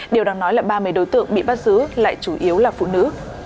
điều đang nói là ba mươi đối tượng bị bắt giữ lại chủ yếu là phụ nữ